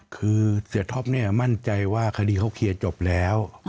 คือเสียท็อปเนี่ยมั่นใจว่าคดีเขาเคลียร์จบแล้ว